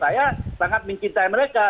saya sangat mengikuti mereka